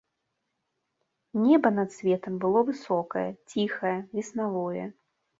Неба над светам было высокае, ціхае, веснавое.